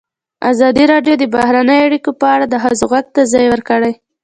ازادي راډیو د بهرنۍ اړیکې په اړه د ښځو غږ ته ځای ورکړی.